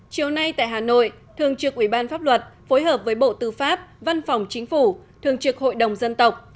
chiều nay tại hà nội thường trực ủy ban pháp luật phối hợp với bộ tư pháp văn phòng chính phủ thường trực hội đồng dân tộc